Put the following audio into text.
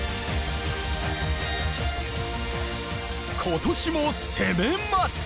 今年も攻めます。